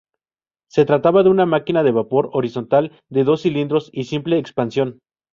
Se trataba de una máquina de vapor horizontal de dos cilindros y simple expansión.